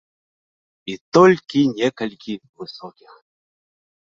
І толькі некалькі высокіх.